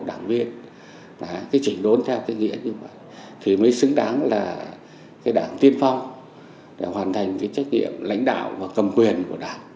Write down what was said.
đảng viên cái chỉnh đốn theo cái nghĩa như vậy thì mới xứng đáng là cái đảng tiên phong để hoàn thành cái trách nhiệm lãnh đạo và cầm quyền của đảng